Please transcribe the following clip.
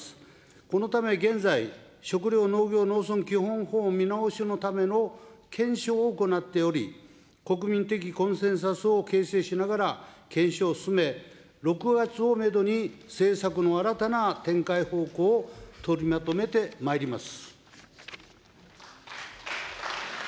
このため現在、食料、農業、農村基本法見直しのための検証を行っており、国民的コンセンサスを形成しながら検証を進め、６月をメドに政策の新たな展開方向を取りまとめてまいります。